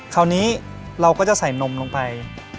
คราวนี้เราก็จะใส่นมลงไป